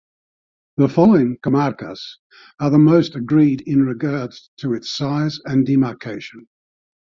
The following "comarcas" are the most agreed in regards to its size and demarcation.